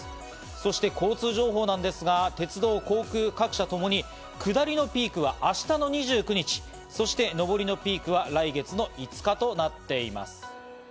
そして交通情報なんですが、鉄道、航空各社ともに下りのピークは明日の２９日、そして上りのピークは来月の５日となっています。